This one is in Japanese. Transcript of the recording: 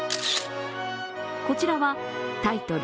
こちらはタイトル